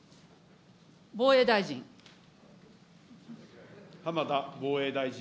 防衛大臣。